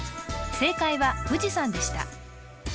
正解は富士山でした